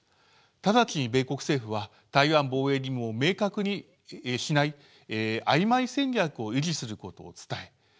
直ちに米国政府は台湾防衛義務を明確にしない「あいまい戦略」を維持することを伝え